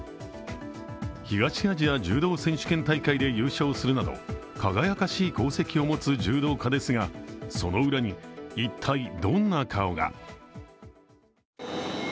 東アジア柔道選手権大会で優勝するなど輝かしい功績を持つ柔道家ですがその裏に一体どんな顔が。